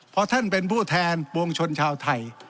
เพราะท่านเป็นผู้แทนปวงชนชาวไทย